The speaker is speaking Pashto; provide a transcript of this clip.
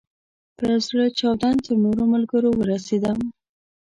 په یو زړه چاودون تر نورو ملګرو ورسېدم.